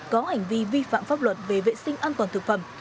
có hành vi vi phạm pháp luật về vệ sinh an toàn thực phẩm